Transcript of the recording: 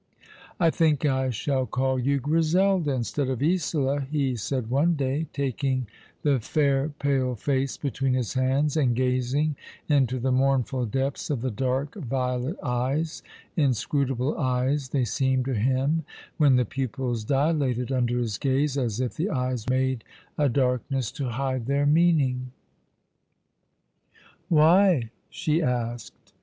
"I think I shall call you Griselda instead of Isola," ha said one day, taking the fair pale face between his hands and gazing into the mournful depths of the dark violet eyes — inscrutable eyes they seemed to him, when the pupils dilated under his gaze, as if the eyes made a darkness to hide their meaning. My Frolic Falcon, with Bright Eyes. 109 "Why? "she asked.